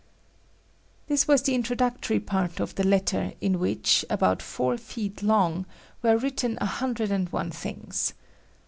This was the introductory part of the letter in which, about four feet long, were written a hundred and one things.